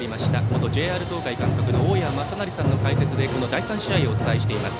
元ＪＲ東海監督の大矢正成さんの解説でこの第３試合をお伝えしています。